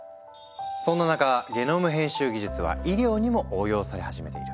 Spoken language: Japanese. そんな中ゲノム編集技術は医療にも応用され始めている。